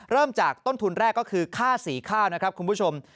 เริ่มจากต้นทุนแรกก็คือค่าสีข้าวนะครับคุณผู้ชม